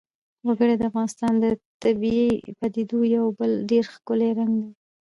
وګړي د افغانستان د طبیعي پدیدو یو بل ډېر ښکلی رنګ دی.